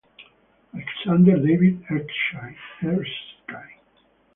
Alexander David Erskine.